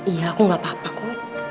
iya aku gak apa apa kok